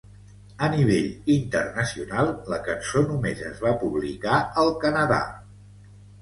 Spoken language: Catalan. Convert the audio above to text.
A nivell internacional, la cançó només es va publicar al Canadà.